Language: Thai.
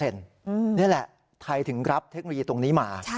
นี่แหละไทยถึงรับเทคโนโลยีตรงนี้มา